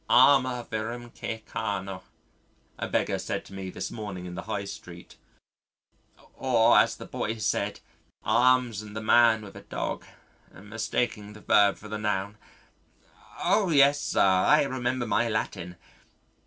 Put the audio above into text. "'Arma virumque cano,'" a beggar said to me this morning in the High Street, "or as the boy said, 'Arms and the man with a dog,' mistaking the verb for the noun. Oh! yes, sir, I remember my Latin.